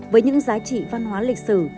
với những giá trị văn hóa lịch sử